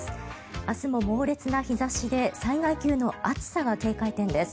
明日も猛烈な日差しで災害級の暑さが警戒点です。